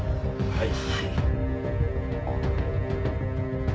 はい。